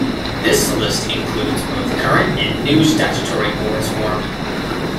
This list includes both current and new statutory boards formed.